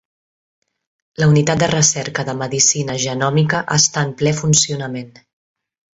La unitat de recerca de medicina genòmica està en ple funcionament